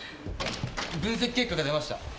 分析結果が出ました。